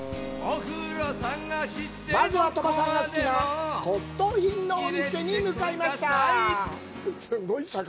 まずは、鳥羽さんが好きな骨とう品のお店に向かいます。